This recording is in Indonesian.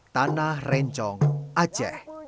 tanah rencong aceh